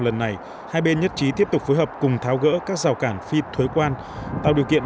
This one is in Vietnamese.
lần này hai bên nhất trí tiếp tục phối hợp cùng tháo gỡ các rào cản phi thối quan tạo điều kiện